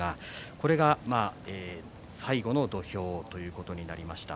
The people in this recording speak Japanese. これが最後の土俵ということになりました。